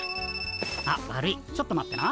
あっ悪いちょっと待ってな。